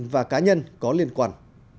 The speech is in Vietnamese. và cá nhân có liên quan